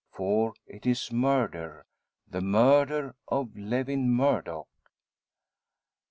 For it is murder the murder of Lewin Murdock!